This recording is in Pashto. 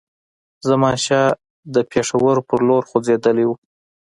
زمانشاه پېښور پر لور خوځېدلی دی.